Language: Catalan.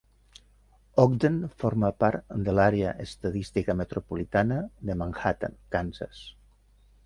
Ogden forma part de l'àrea estadística metropolitana de Manhattan, Kansas.